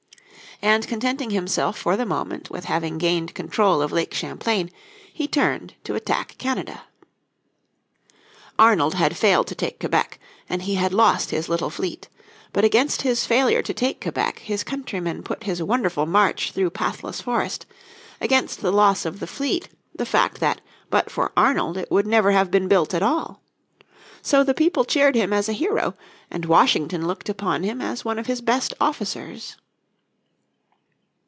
And contenting himself for the moment with having gained control of Lake Champlain he turned to attack Canada. Arnold had failed to take Quebec, and he has lost his little fleet. But against his failure to take Quebec his countrymen put his wonderful march through pathless forest; against the loss of the fleet the fact that but for Arnold it would never have been built at all. So the people cheered him as a hero, and Washington looked upon him as one of his best officers.